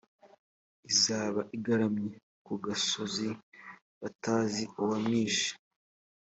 izaba igaramye ku gasozi batazi uwamwishe,